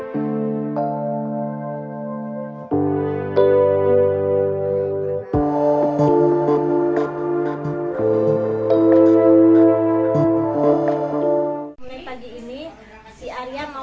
cuma teman segininya pada sekolah cuma kelas enam aja kan yang sudah bebas nggak sekolah